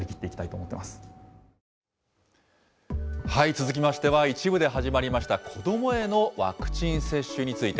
続きましては、一部で始まりました子どもへのワクチン接種について。